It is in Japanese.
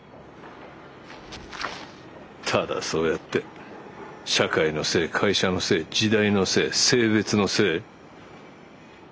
ただそうやって社会のせい会社のせい時代のせい性別のせい。